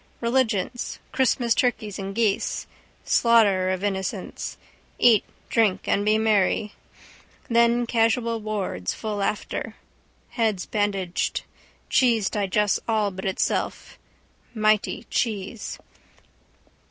Religions. Christmas turkeys and geese. Slaughter of innocents. Eat drink and be merry. Then casual wards full after. Heads bandaged. Cheese digests all but itself. Mity cheese.